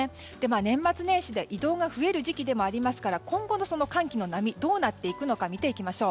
年末年始で移動が増える時期でもありますから今後の寒気の波どうなっていくのか見ていきましょう。